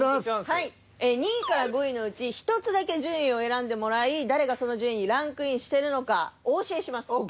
２位５位のうち１つだけ順位を選んでもらい誰がその順位にランクインしてるのかお教えします。ＯＫ。